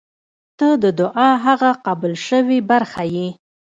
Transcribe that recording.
• ته د دعا هغه قبل شوې برخه یې.